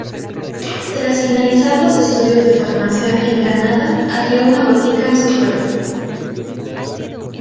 Tras finalizar los estudios de Farmacia en Granada abrió una botica en su pueblo.